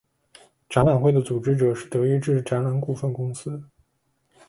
展览会的组织者是德意志展览股份公司。